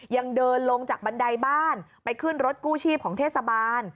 ยังเดินลงจากบันไดบ้านไปขึ้นรถกู้ชีพของเทศบาล